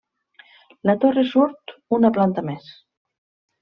La torre surt una planta més.